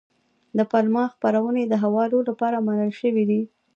د پملا خپرونې د حوالو لپاره منل شوې دي.